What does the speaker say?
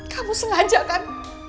kamu sengaja kan